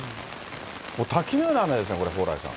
滝のような雨ですね、これ、蓬莱さん。